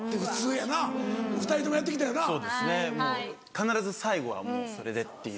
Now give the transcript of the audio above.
必ず最後はもうそれでっていう。